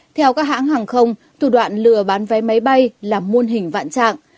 theo các hãng hàng không thủ đoạn lừa bán vé máy bay là muôn hình vạn trạng